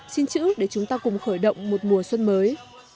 xin chữ để chúng ta cùng khởi động một mùa xuân mới